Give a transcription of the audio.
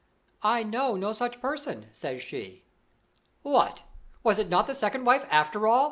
'I know no such person,' says she " "What! was it not the second wife, after all?"